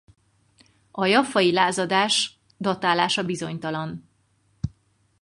A jaffai lázadás datálása bizonytalan.